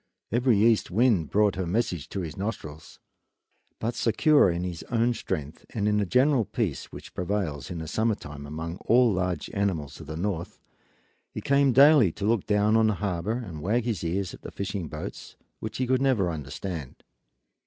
Every east wind brought her message to his nostrils; but secure in his own strength and in the general peace which prevails in the summer time among all large animals of the north, he came daily to look down on the harbor and wag his ears at the fishing boats, which he could never understand.